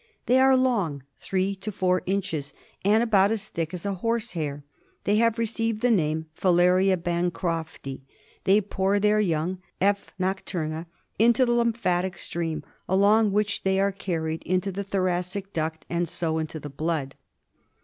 They are long — three to four inches — and about as thick as a horse hair. They have received the name Filaria bancrofti. They pour their young — F, nocturna — into the lymphatic stream, ialong which they are carried into the thoracic duct, and so into the blood.